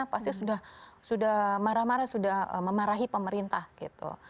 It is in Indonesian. pasti sudah marah marah sudah memarahi pemerintah gitu